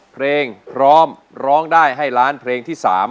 เพลงพร้อมร้องได้ให้ล้านเพลงที่๓